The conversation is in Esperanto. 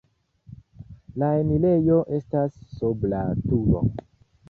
La enirejo estas sub la turo.